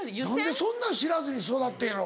何でそんなん知らずに育ってんやろ。